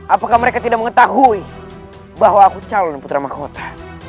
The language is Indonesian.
apakah mereka tidak mengetahui bahwa aku calon putrama kota